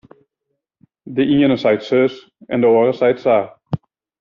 De iene seit sus en de oare seit sa.